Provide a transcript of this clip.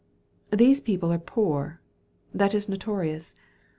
These people are poor—that is notorious.